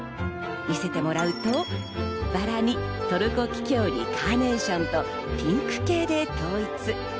見せてもらうと、バラにトルコキキョウにカーネーションとピンク系で統一。